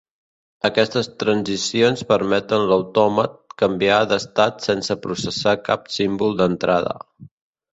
Aquestes transicions permeten l'autòmat canviar d'estat sense processar cap símbol d'entrada.